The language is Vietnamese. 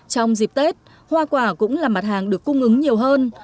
trong dịp tết hoa quả cũng là mặt hàng được cung ứng nhiều hơn